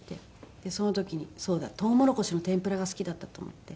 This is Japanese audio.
でその時にそうだトウモロコシの天ぷらが好きだったと思って。